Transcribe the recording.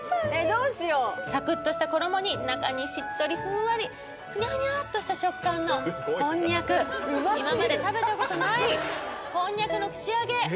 どうしようサクッとした衣に中にしっとりふんわりフニャフニャとした食感のこんにゃく今まで食べたことないこんにゃくの串揚げ